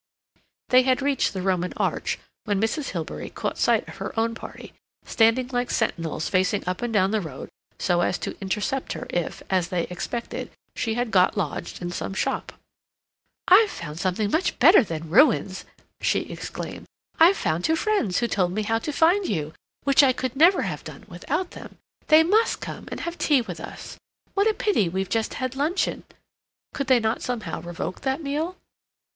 They had reached the Roman arch when Mrs. Hilbery caught sight of her own party, standing like sentinels facing up and down the road so as to intercept her if, as they expected, she had got lodged in some shop. "I've found something much better than ruins!" she exclaimed. "I've found two friends who told me how to find you, which I could never have done without them. They must come and have tea with us. What a pity that we've just had luncheon." Could they not somehow revoke that meal?